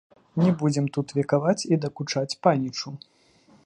Не будзем тут векаваць і дакучаць панічу.